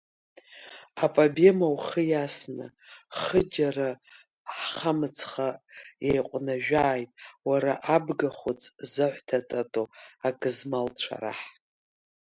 Апобема ухы иасны, хыџьара хамыцха еиҟә-нажәааит, уара абга хәыц заҳәҭататоу агызмалцәа раҳ!